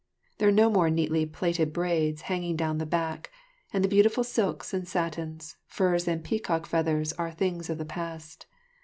There are no more neatly plaited braids hanging down the back, and the beautiful silks and satins, furs and peacock feathers are things of the past.